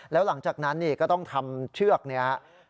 แล้วหลังจากนั้นก็ต้องทำเชือกนี้ครับ